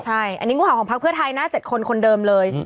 ใช่อันนี้งูเห่าของพักเพื่อไทยนะ๗คนคนเดิมเลย